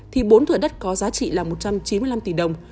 thì bốn thửa đất có giá trị là một trăm chín mươi năm tỷ đồng